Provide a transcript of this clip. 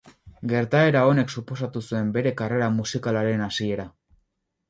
Gertaera honek suposatu zuen bere karrera musikalaren hasiera.